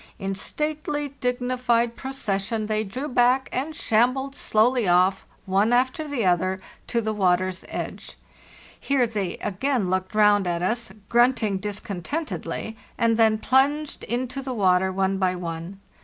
In stately, dignified procession they drew back and shambled slowly off, one after the other, to the water's edge. Here they again looked round at us, grunting discontentedly, and then plunged into the water one by one.